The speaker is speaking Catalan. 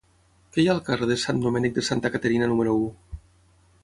Què hi ha al carrer de Sant Domènec de Santa Caterina número u?